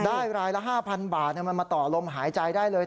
รายละ๕๐๐บาทมันมาต่อลมหายใจได้เลย